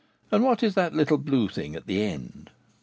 "And what is that little blue thing at the end?"